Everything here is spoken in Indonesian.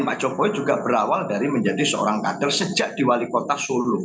pak jokowi juga berawal dari menjadi seorang kader sejak di wali kota solo